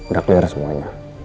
gak clear semuanya